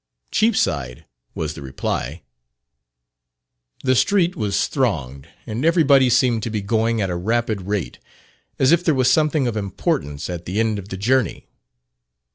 "Cheapside," was the reply. The street was thronged, and every body seemed to be going at a rapid rate, as if there was something of importance at the end of the journey.